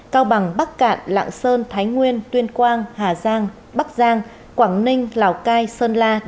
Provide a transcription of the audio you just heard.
cao bằng bắc cạn lạng sơn thái nguyên tuyên quang hà giang bắc giang quảng ninh lào cai sơn la